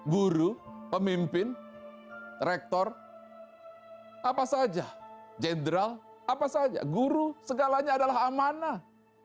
guru pemimpin rektor apa saja jenderal apa saja guru segalanya adalah amanah